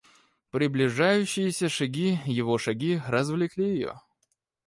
Приближающиеся шаги, его шаги, развлекли ее.